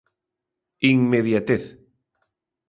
Inmediatez.